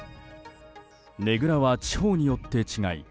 ねぐらは地方によって違い